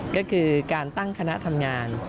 ก็คือการตั้งคณะทำงาน